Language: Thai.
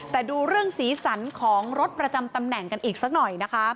แต่ดูเรื่องสีสันของรถประจำตำแหน่งกันอีกสักหน่อยนะคะ